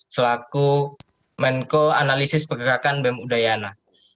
selaku menko analisis pergerakan bem udayana